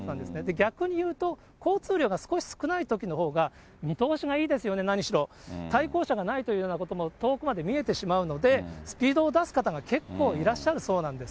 逆に言うと、交通量が少し少ないときのほうが、見通しがいいですよね、何しろ、対向車がないということで遠くまで見えてしまいますので、スピードを出す方が結構いらっしゃるそうなんです。